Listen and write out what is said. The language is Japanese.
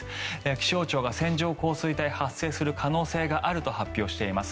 気象庁が線状降水帯が発生する可能性があると発表しています。